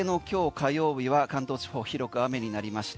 火曜日は関東地方、広く雨になりました。